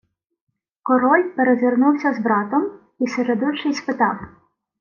Король перезирнувся з братом, і середульший спитав: